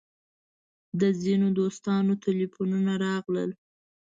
د ځینو دوستانو تیلفونونه راغلل.